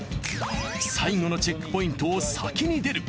最後のチェックポイントを先に出る！